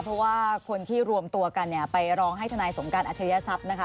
เพราะว่าคนที่รวมตัวกันเนี่ยไปร้องให้ทนายสงการอัชริยศัพย์นะคะ